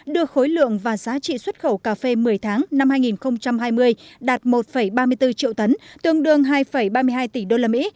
đưa khối lượng và giá trị xuất khẩu cà phê một mươi tháng năm hai nghìn hai mươi đạt một ba mươi bốn triệu tấn tương đương hai ba mươi hai tỷ đô la mỹ